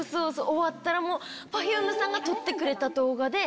終わったらＰｅｒｆｕｍｅさんが撮ってくれた動画で。